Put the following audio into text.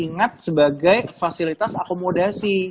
ingat sebagai fasilitas akomodasi